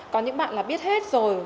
có những bạn là biết hết rồi